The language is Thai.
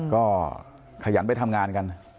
ก็ขยันไปทำงานกัน